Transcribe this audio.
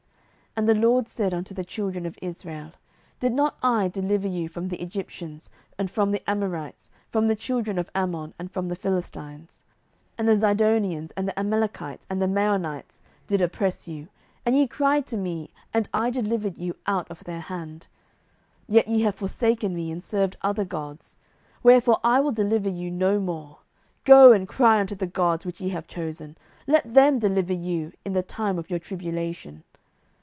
07:010:011 And the LORD said unto the children of Israel, Did not I deliver you from the Egyptians, and from the Amorites, from the children of Ammon, and from the Philistines? 07:010:012 The Zidonians also, and the Amalekites, and the Maonites, did oppress you; and ye cried to me, and I delivered you out of their hand. 07:010:013 Yet ye have forsaken me, and served other gods: wherefore I will deliver you no more. 07:010:014 Go and cry unto the gods which ye have chosen; let them deliver you in the time of your tribulation.